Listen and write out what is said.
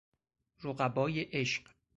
رقبای عشق